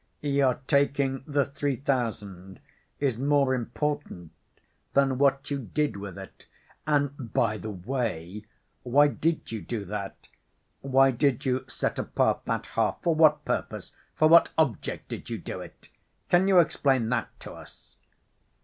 Your taking the three thousand is more important than what you did with it. And by the way, why did you do that—why did you set apart that half, for what purpose, for what object did you do it? Can you explain that to us?"